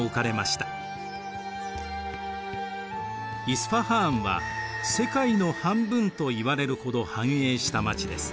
イスファハーンは世界の半分といわれるほど繁栄した街です。